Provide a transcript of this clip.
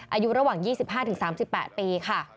อายุระหว่าง๒๕๓๘ปีค่ะ